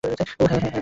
ওহ, হ্যাঁ, হ্যাঁ।